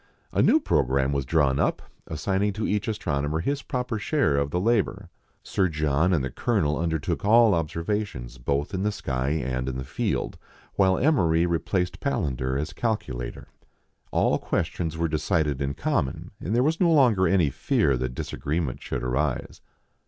A new programme was drawn up, assigning to each astronomer his proper share of the labour. Sir John and the Colonel undertook all obser vations both in the sky and in the field ; while Emery replaced Palander as calculator. All questions were decided in common, and there was no longer any fear that disagreement should arise.